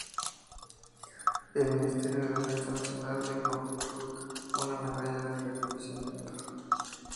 El Ministerio de Defensa Nacional le confirió una Medalla de Reconocimiento.